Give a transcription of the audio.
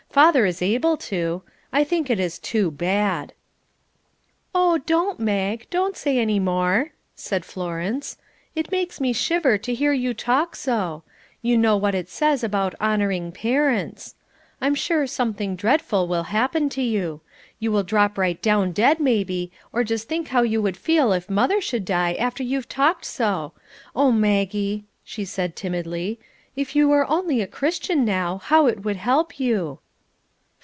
Father is able to. I think it is too bad." "Oh, don't Mag! Don't say any more," said Florence. "It makes me shiver to hear you talk so. You know what it says about honouring parents. I'm sure something dreadful will happen to you. You will drop right down dead, maybe, or just think how you would feel if mother should die after you've talked so. Oh, Maggie," she said timidly, "if you only were a Christian, now, how it would help you."